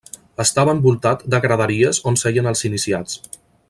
Estava envoltat de graderies on seien els iniciats.